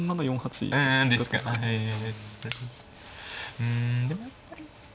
うんでもやっぱり。